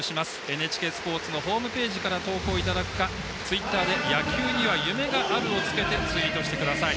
ＮＨＫスポーツのホームページから投稿をいただくかツイッターで「＃野球には夢がある」をつけてツイートしてください。